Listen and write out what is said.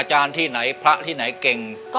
ชาตินี้คง